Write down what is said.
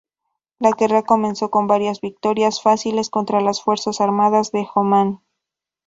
La guerra comenzó con varias victorias fáciles contra las Fuerzas Armadas de Omán.